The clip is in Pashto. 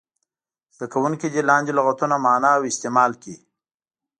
زده کوونکي دې لاندې لغتونه معنا او استعمال کړي.